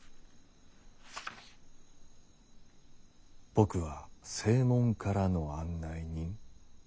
「僕は正門からの案内人」。